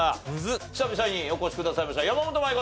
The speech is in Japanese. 久々にお越しくださいました山本舞香さん。